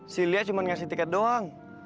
sya lia cuman ngasih tiket doang